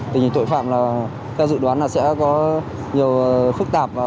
tình hình tội phạm theo dự đoán là sẽ có nhiều phức tạp